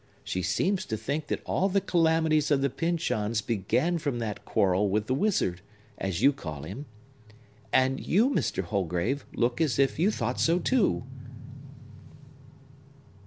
She seems to think that all the calamities of the Pyncheons began from that quarrel with the wizard, as you call him. And you, Mr. Holgrave look as if you thought so too!